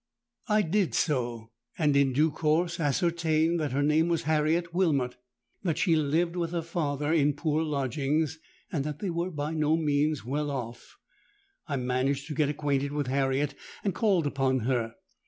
I did so; and in due course ascertained that her name was Harriet Wilmot—that she lived with her father in poor lodgings—and that they were by no means well off. I managed to get acquainted with Harriet, and called upon her.